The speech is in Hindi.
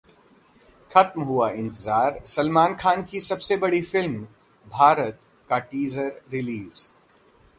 खत्म हुआ इंतजार, सलमान खान की सबसे बड़ी फिल्म भारत का टीजर रिलीज